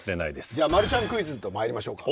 じゃあマルシャンクイズと参りましょうか。